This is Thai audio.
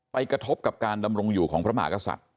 กระทบกับการดำรงอยู่ของพระมหากษัตริย์